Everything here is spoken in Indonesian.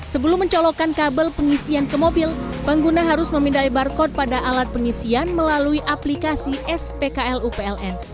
sebelum mencolokkan kabel pengisian ke mobil pengguna harus memindai barcode pada alat pengisian melalui aplikasi spklu pln